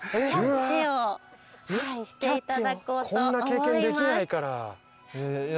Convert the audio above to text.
こんな経験できないから。